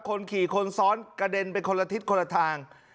คนขี่คนซ้อนกระเด็นไปคนละทิศคนละทาง